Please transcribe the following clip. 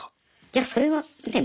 いやそれはね